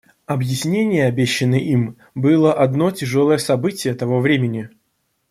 Объяснение, обещанное им, было одно тяжелое событие того времени.